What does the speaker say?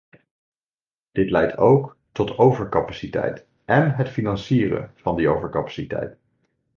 Dit leidt ook tot overcapaciteit en het financieren van die overcapaciteit.